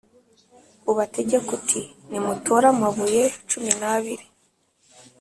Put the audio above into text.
ubategeke uti Nimutore amabuye cumi n abiri